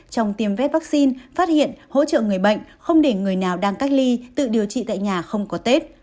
trong tiêm vét vaccine phát hiện hỗ trợ người bệnh không để người nào đang cách ly tự điều trị tại nhà không có tết